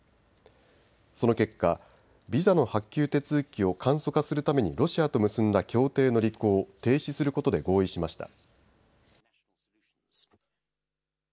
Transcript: その結果、ビザの発給手続きを簡素化するためにロシアと結んだ協定の履行を停止することで合意しました。